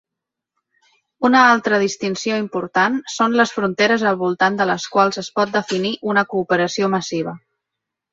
Una altra distinció important són les fronteres al voltant de les quals es pot definir una cooperació massiva.